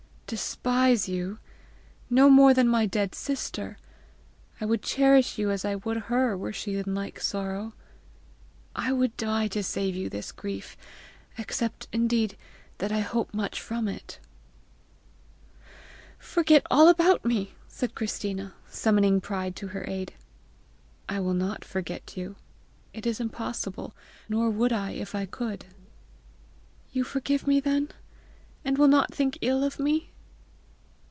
"Despise you! no more than my dead sister! I would cherish you as I would her were she in like sorrow. I would die to save you this grief except indeed that I hope much from it." "Forget all about me," said Christina, summoning pride to her aid. "I will not forget you. It is impossible, nor would I if I could." "You forgive me then, and will not think ill of me?"